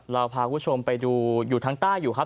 เราพาคุณผู้ชมไปดูอยู่ทางใต้อยู่ครับ